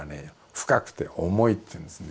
深くて重いっていうんですね。